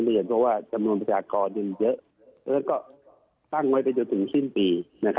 เรียนเพราะว่าจำนวนประชากรยังเยอะแล้วก็ตั้งไว้ไปจนถึงสิ้นปี